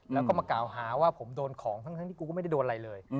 แล้วก็มากล่าวหาว่าผมโดนของทั้งที่กูก็ไม่ได้โดนอะไรเลย